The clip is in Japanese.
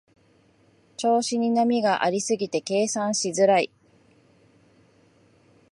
調子に波がありすぎて計算しづらい